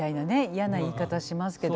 嫌な言い方しますけど。